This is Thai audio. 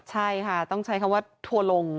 ใช่ค่ะต้องใช้คำว่าทัวร์ลง